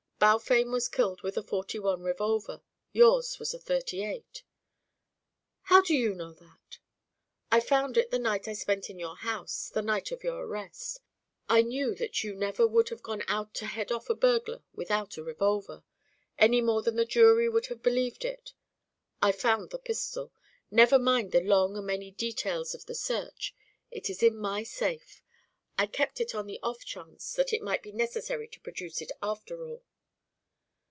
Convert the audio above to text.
Balfame was killed with a forty one revolver. Yours was a thirty eight." "How do you know that?" "I found it the night I spent in your house the night of your arrest. I knew that you never would have gone out to head off a burglar without a revolver any more than the jury would have believed it. I found the pistol. Never mind the long and many details of the search. It is in my safe. I kept it on the off chance that it might be necessary to produce it after all."